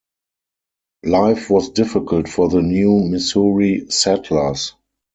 Life was difficult for the new Missouri settlers.